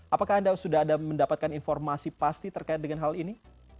apakah anda sudah ada mendapatkan informasi pasti terkait dengan hal ini